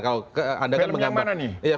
film yang mana nih